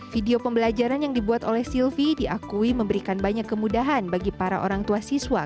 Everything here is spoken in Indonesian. video pembelajaran yang dibuat oleh silvi diakui memberikan banyak kemudahan bagi para orang tua siswa